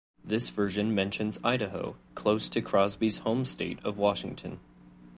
This version mentions Idaho, close to Crosby's home state of Washington.